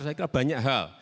saya kira banyak hal